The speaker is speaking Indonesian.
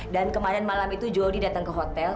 dan kemarin malam itu jody datang ke hotel